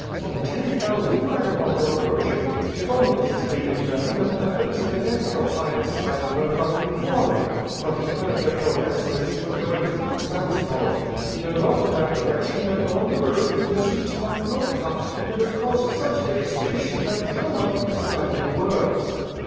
Some ten thousand vagal3onds are approaching. Kshyvonos is leading them, and has been sent against your Highness, I have heard, from an informer. But he heard that your Excellency was going to Konstantinov, he turned off in that direction and on the road he besieged Machnovka and has caused such devastation that it cannot be described in words."